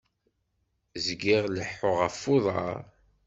Zgiɣ leḥḥuɣ ɣef uḍar.